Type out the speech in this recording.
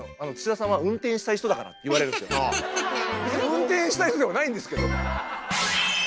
運転したい人ではないんですけど。